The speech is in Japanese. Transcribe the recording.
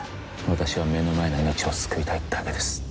私は目の前の命を救いたいだけです